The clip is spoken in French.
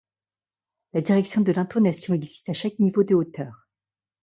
La direction de l’intonation existe à chaque niveau de hauteur.